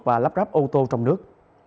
và lắp ráp ô tô trong nước